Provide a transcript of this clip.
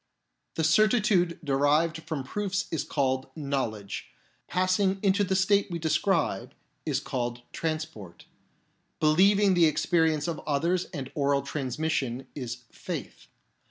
The certitude derived from proofs is called " knowledge "; passing into the state we describe is called " trans port "; believing the experience of others and oral transmission is " faith."